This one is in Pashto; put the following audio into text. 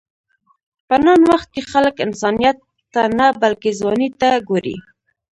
په نن وخت کې خلک انسانیت ته نه، بلکې ځوانۍ ته ګوري.